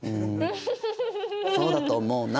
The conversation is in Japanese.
そうだと思うな。